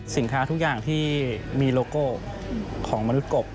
สินค้าทุกอย่างที่มีโลโก้ของมนุษย์กบ